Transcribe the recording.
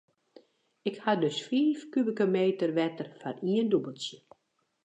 Ik ha dus fiif kubike meter wetter foar ien dûbeltsje.